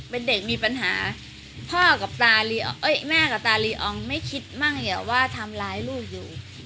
เป็นเด็กมีปัญหาพ่อกับตาลีอองเอ้ยแม่กับตาลีอองไม่คิดมั่งเนี้ยว่าทำร้ายลูกอยู่